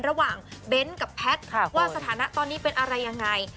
ระหว่างเบ้นต์กับแพทย์ว่าสถานะตอนนี้เป็นอะไรอย่างไร